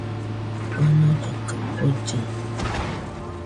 Omollɨ kaɨ kollɨ